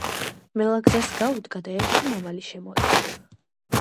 მელა გზას გაუდგა და ერთი მამალი შემოეყარა.